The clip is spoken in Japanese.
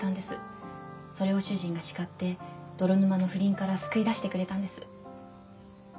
それを主人が叱って泥沼の不倫から救い出してくれたんです。